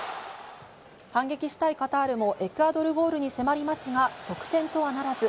反撃したいカタールもエクアドルゴールに迫りますが、得点とはならず。